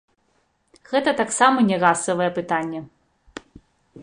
Гэта таксама не расавае пытанне.